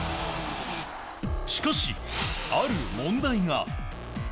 しかし、ある問題が。